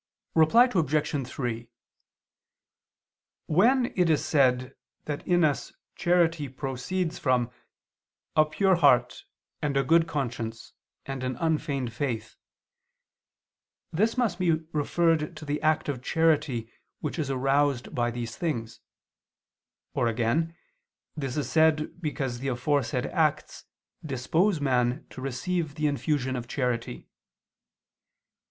Reply Obj. 3: When it is said that in us charity proceeds from "a pure heart, and a good conscience, and an unfeigned faith," this must be referred to the act of charity which is aroused by these things. Or again, this is said because the aforesaid acts dispose man to receive the infusion of charity.